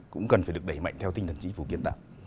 cũng cần phải được đẩy mạnh theo tinh thần chính phủ kiến tạo